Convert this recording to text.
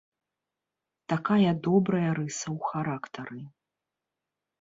Такая добрая рыса ў характары.